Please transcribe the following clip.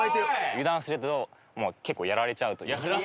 油断すると結構やられちゃうというか。